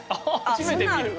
初めて見る。